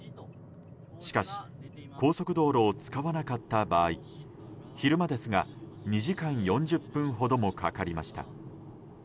しかし高速道路を使わなかった場合昼間ですが、２時間４０分ほどもかかりました。